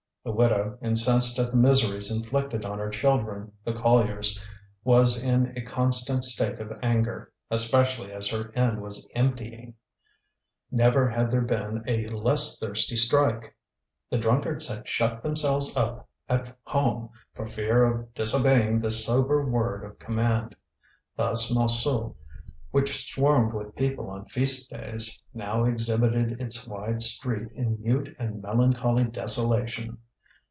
The widow, incensed at the miseries inflicted on her children the colliers, was in a constant state of anger, especially as her inn was emptying. Never had there been a less thirsty strike; the drunkards had shut themselves up at home for fear of disobeying the sober word of command. Thus Montsou, which swarmed with people on feast days, now exhibited its wide street in mute and melancholy desolation.